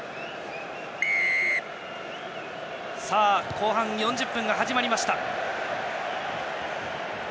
後半４０分が始まりました。